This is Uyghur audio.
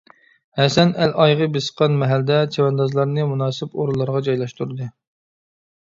ھەسەن ئەل ئايىغى بېسىققان مەھەلدە چەۋەندازلارنى مۇناسىپ ئورۇنلارغا جايلاشتۇردى.